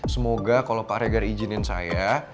semoga kalau pak regar izinin saya